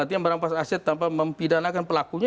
artinya merampas aset tanpa mempidanakan pelakunya